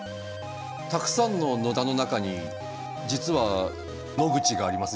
たくさんの野田の中に実は「野口」があります